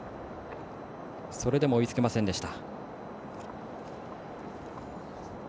それでも追いつけませんでした。